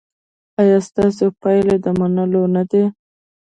ایا ستاسو پایلې د منلو نه دي؟